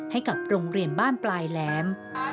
ให้กับโรงเรียนบ้านปลายแหลม